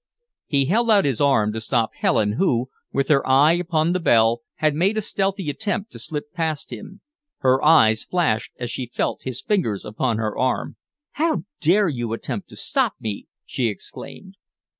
He held out his arm to stop Helen, who, with her eye upon the bell, had made a stealthy attempt to slip past him. Her eyes flashed as she felt his fingers upon her arm. "How dare you attempt to stop me!" she exclaimed.